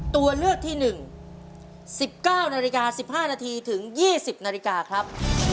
ตัวเลือกที่๑๑๙นาฬิกา๑๕นาทีถึง๒๐นาฬิกาครับ